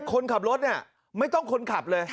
คนขับรถเนี่ยไม่ต้องคนขับเลย